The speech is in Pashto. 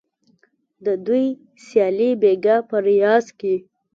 د دوی سیالي بیګا په ریاض کې